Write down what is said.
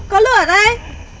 bát lửa ở tuần này